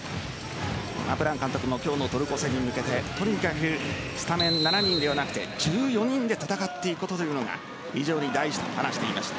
ブラン監督も今日のトルコ戦に向けてとにかくスタメン７人ではなく１４人で戦っていくことというのが非常に大事と話していました。